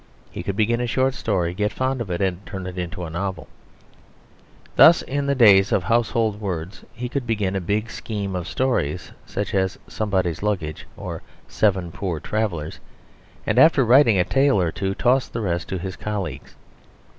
He could begin a short story, get fond of it, and turn it into a novel. Thus in the days of Household Words he could begin a big scheme of stories, such as Somebody's Luggage, or Seven Poor Travellers, and after writing a tale or two toss the rest to his colleagues.